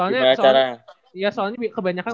gimana caranya ya soalnya kebanyakan